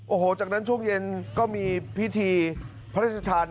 โอ้โหจากนั้นช่วงเย็นก็มีพิธีพระราชทาน